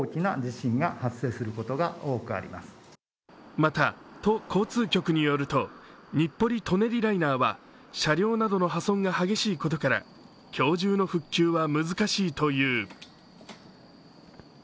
また都交通局によると、日暮里・舎人ライナーは車両などの破損が激しいことから今日中の復旧は難しいという。